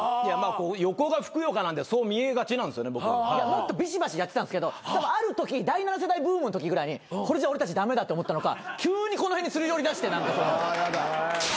もっとビシバシやってたんですけどでもあるときに第７世代ブームのときぐらいにこれじゃ俺たち駄目だって思ったのか急にこの辺にすり寄りだして。